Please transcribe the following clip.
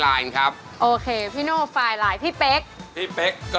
อ๋อ๕๐๐๐บาทครับจังกี้โอ้โฮ